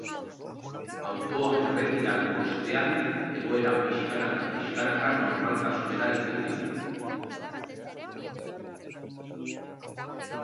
Autoa erretiratu ostean, egoera pixkanaka-pixkanaka normaltasunera itzuli da.